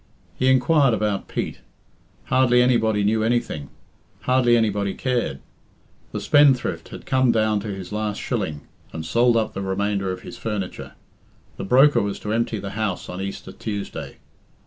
He inquired about Pete. Hardly anybody knew anything; hardly anybody cared. The spendthrift had come down to his last shilling, and sold up the remainder of his furniture. The broker was to empty the house on Easter Tuesday.